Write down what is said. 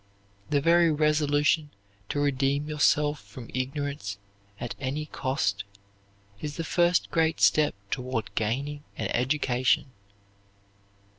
The very resolution to redeem yourself from ignorance at any cost is the first great step toward gaining an education.